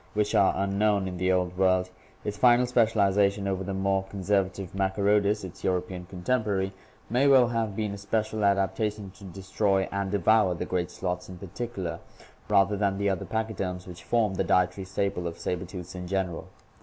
which are unknown in the Old World, its final specialization over the more conservative Machctrodus, 574 ORGANIC EVOLUTION its European contemporary, may well have been a special adapta tion to destroy and devour the great sloths in particular, rather than the other pachyderms which formed the dietary staple of saber tooths in general.